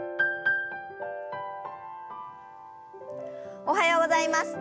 おはようございます。